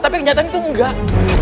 tapi kenyataan itu enggak